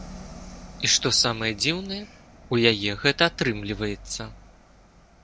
І што самае дзіўнае, у яе гэта атрымліваецца!